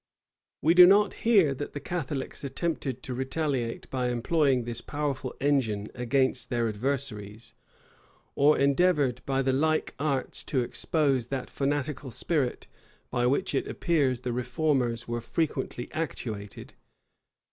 [] We do not hear that the Catholics attempted to retaliate by employing this powerful engine against their adversaries, or endeavored by like arts to expose that fanatical spirit by which it appears the reformers were frequently actuated.